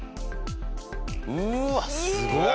うわすごっ！